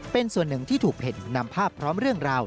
เป็นส่วนหนึ่งที่ถูกเห็นนำภาพพร้อมเรื่องราว